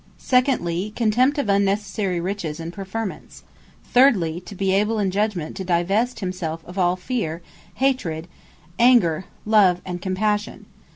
Secondly, Contempt Of Unnecessary Riches, and Preferments. Thirdly, To Be Able In Judgement To Devest Himselfe Of All Feare, Anger, Hatred, Love, And Compassion.